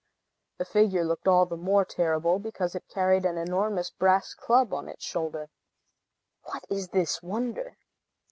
The figure looked all the more terrible because it carried an enormous brass club on its shoulder. "What is this wonder?"